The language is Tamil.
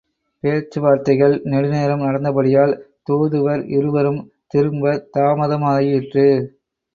பேச்சு வார்த்தைகள் நெடுநேரம் நடந்தபடியால், தூதுவர் இருவரும் திரும்பத் தாமதமாயிற்று.